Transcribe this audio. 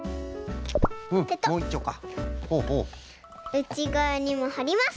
うちがわにもはります。